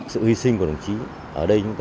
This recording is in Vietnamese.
sự hy sinh của đồng chí ở đây